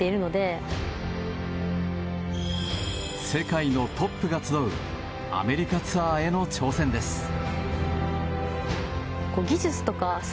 世界のトップが集うアメリカツアーへの挑戦です。